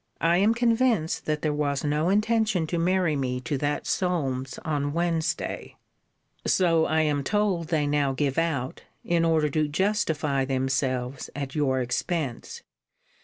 I am convinced that there was no intention to marry me to that Solmes on Wednesday. So I am told they now give out, in order to justify themselves at your expense.